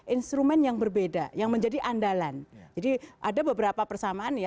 integritas jadi sebenarnya